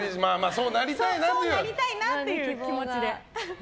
そうなりたいなという気持ちで。